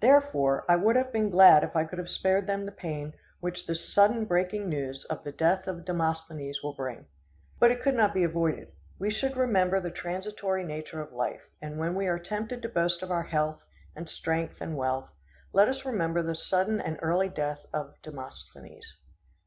Therefore, I would have been glad if I could have spared them the pain which this sudden breaking of the news of the death of Demosthenes will bring. But it could not be avoided. We should remember the transitory nature of life, and when we are tempted to boast of our health, and strength, and wealth, let us remember the sudden and early death of Demosthenes.